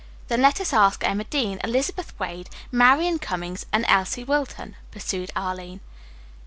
"Then let us ask Emma Dean, Elizabeth Wade, Marian Cummings and Elsie Wilton," pursued Arline.